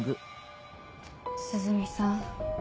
涼見さん。